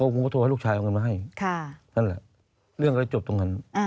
ผมก็โทรให้ลูกชายเอาเงินมาให้นั่นแหละเรื่องก็เลยจบตรงนั้น